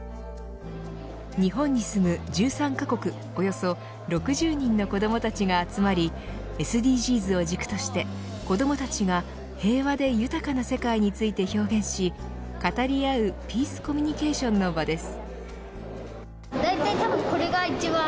日本に住む、１３カ国およそ６０人の子どもたちが集まりＳＤＧｓを軸として子どもたちが平和で豊かな世界について表現し語り合うピースコミュニケーションの場です。